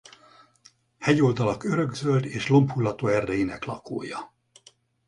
Hegyoldalak örökzöld és lombhullató erdeinek lakója.